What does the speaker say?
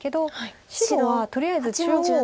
白はとりあえず中央を。